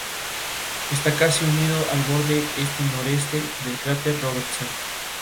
Está casi unido al borde este-noreste del cráter Robertson.